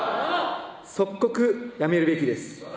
即刻辞めるべきです。